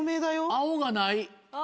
青がない。